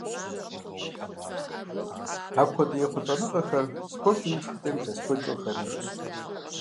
Апхуэдэ ехъулӏэныгъэхэр спортым и тхыдэм илъэс куэдкӏэ къыхэнэнущ.